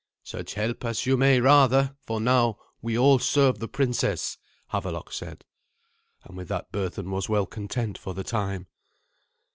"Such help as you may, rather. For now we all serve the princess," Havelok said. And with that Berthun was well content for the time.